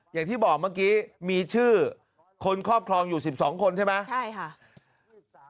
อย่างที่บอกเมื่อกี้มีชื่อคนครอบครองอยู่๑๒คนใช่ไหมใช่ค่ะ